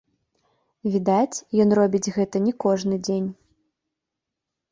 Відаць, ён робіць гэта не кожны дзень.